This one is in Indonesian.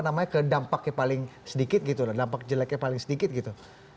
namanya ke dampaknya paling sedikit gitu dampak jeleknya paling sedikit gitu